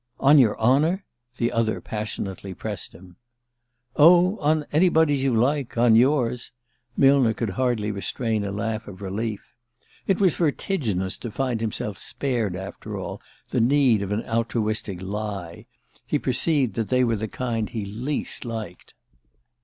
"On your honour?" the other passionately pressed him. "Oh, on anybody's you like on yours!" Millner could hardly restrain a laugh of relief. It was vertiginous to find himself spared, after all, the need of an altruistic lie: he perceived that they were the kind he least liked.